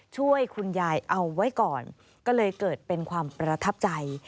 ช่วยคุณยายเอาไว้ก่อนก็เลยเกิดเป็นความประทับใจ